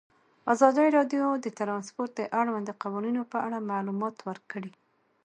ازادي راډیو د ترانسپورټ د اړونده قوانینو په اړه معلومات ورکړي.